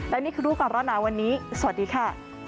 และนี่คือรู้ก่อนร้อนหนาวันนี้สวัสดีค่ะ